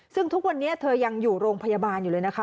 ซึ่งทุกวันนี้เธอยังอยู่โรงพยาบาลอยู่เลยนะคะ